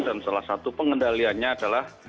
dan salah satu pengendaliannya adalah